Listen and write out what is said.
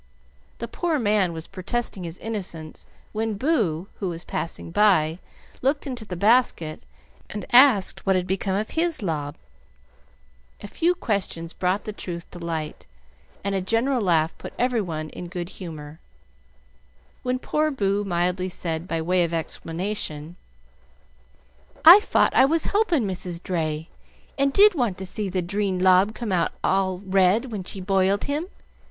The poor man was protesting his innocence when Boo, who was passing by, looked into the basket, and asked what had become of his lob. A few questions brought the truth to light, and a general laugh put every one in good humor, when poor Boo mildly said, by way of explanation, "I fought I was helpin' Mrs. Dray, and I did want to see the dreen lob come out all red when she boiled him.